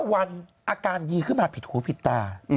วันอาการดีขึ้นมาผิดหูผิดตา